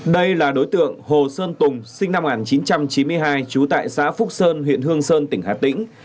đây là đối tượng hồ sơn tùng sinh năm một nghìn chín trăm chín mươi hai trú tại xã phúc sơn huyện hương sơn tỉnh hà tĩnh